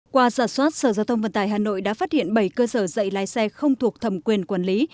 qua giả soát sở giao thông vận tải hà nội đã phát hiện bảy cơ sở dạy lái xe không thuộc thẩm quyền quản lý